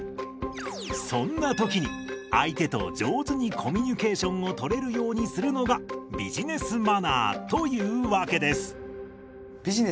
そんな時に相手と上手にコミュニケーションをとれるようにするのがビジネスマナーというわけです。